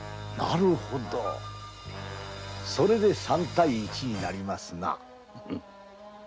なるほどそれで３対１になりますな。